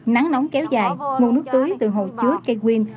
nắng nóng kéo dài nguồn nước tưới từ hồ chứa cây quyên